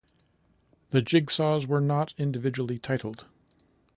The jigsaws were not individually titled.